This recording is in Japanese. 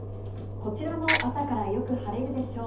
こちらも朝からよく晴れるでしょう。